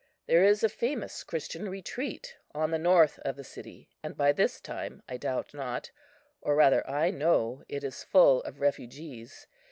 There is a famous Christian retreat on the north of the city, and by this time, I doubt not, or rather I know, it is full of refugees.